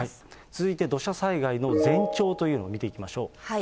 続いて土砂災害の前兆というのを見ていきましょう。